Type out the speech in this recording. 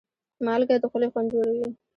مالګه د خولې خوند جوړوي.